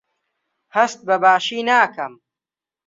هەست بەباشی ناکەم.